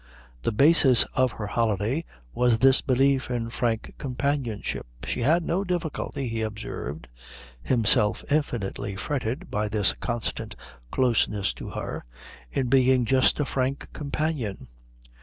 The basis of her holiday was this belief in frank companionship. She had no difficulty, he observed, himself infinitely fretted by this constant closeness to her, in being just a frank companion.